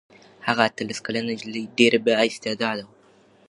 هغه اتلس کلنه نجلۍ ډېره بااستعداده وه.